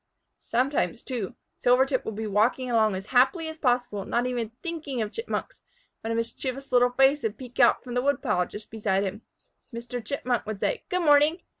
Sometimes, too, Silvertip would be walking along as happily as possible, not even thinking of Chipmunks, when a mischievous little face would peep out from the woodpile just beside him. Mr. Chipmunk would say "Good morning!"